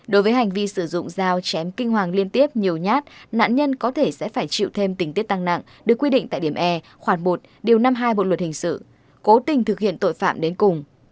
đối với hành vi sử dụng dao chém kinh hoàng liên tiếp nhiều nhát nạn nhân có thể sẽ phải chịu thêm tình tiết tăng nặng được quy định tại điểm e khoảng một điều năm mươi hai bộ luật hình sự cố tình thực hiện tội phạm đến cùng